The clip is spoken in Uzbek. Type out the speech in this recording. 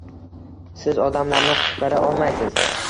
Siz odamlarni qutqara olmaysiz.